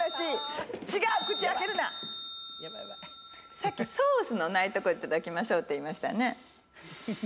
さっきソースのないとこいただきましょうって言いましたよね。